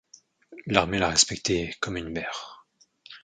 L'armée l'a respectée comme une mère.